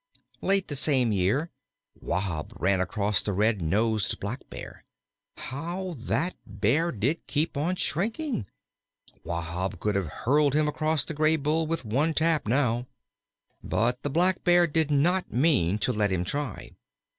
Late the same year Wahb ran across the red nosed Blackbear. How that Bear did keep on shrinking! Wahb could have hurled him across the Graybull with one tap now. But the Blackbear did not mean to let him try.